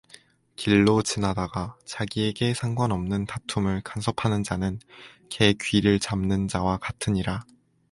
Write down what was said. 길로 지나다가 자기에게 상관없는 다툼을 간섭하는 자는 개 귀를 잡는 자와 같으니라